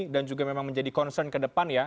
dan juga memang menjadi concern ke depan ya